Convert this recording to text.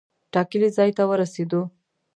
ټاکلي ځای ته ورسېدو.